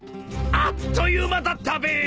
あっという間だったべ！